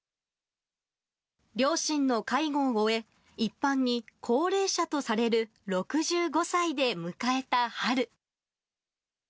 両親の介護を終え、一般に高齢者とされる６５歳で迎えた春。